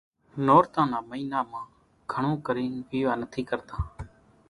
نورتان نا مئينا مان گھڻون ڪرين ويوا نٿي ڪرتان۔